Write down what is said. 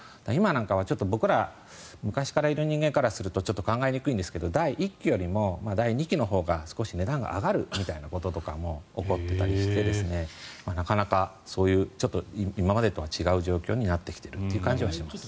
ちょっと僕ら昔からいる人間からすると考えにくいんですけど第１期よりも第２期のほうが値段が上がることとかも起こっていたりしてなかなかそういう今までとは違う状況になってきている気がします。